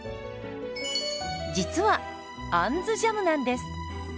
実は「あんずジャム」なんです。